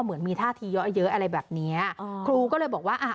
เหมือนมีท่าทีเยอะเยอะอะไรแบบเนี้ยอ่าครูก็เลยบอกว่าอ่า